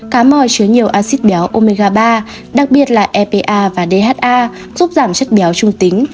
cá mòi chứa nhiều acid béo omega ba đặc biệt là epa và dha giúp giảm chất béo trung tính